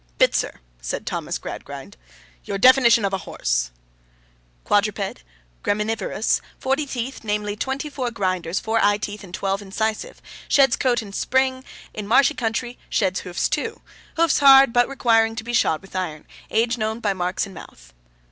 'Bitzer,' said Thomas Gradgrind. 'Your definition of a horse.' 'Quadruped. Graminivorous. Forty teeth, namely twenty four grinders, four eye teeth, and twelve incisive. Sheds coat in the spring; in marshy countries, sheds hoofs, too. Hoofs hard, but requiring to be shod with iron. Age known by marks in mouth.